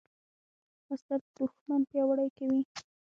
وسله د دوښمن پیاوړي کوي